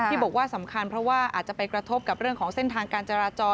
บอกว่าสำคัญเพราะว่าอาจจะไปกระทบกับเรื่องของเส้นทางการจราจร